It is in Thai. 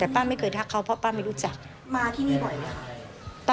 แต่ป้าไม่เคยทักเขาเพราะป้าไม่รู้จักมาที่นี่บ่อยเลยค่ะ